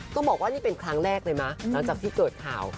ต้องบอกว่านี่เป็นครั้งแรกเลยมั้ยหลังจากที่เกิดข่าว